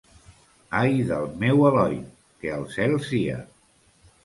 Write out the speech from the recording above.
Ai del meu Eloi, que al cel sia!